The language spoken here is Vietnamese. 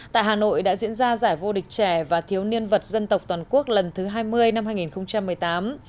tại hà nội đã diễn ra giải vô địch trẻ và thiếu niên vật dân tộc toàn quốc lần thứ hai mươi năm hai nghìn một mươi tám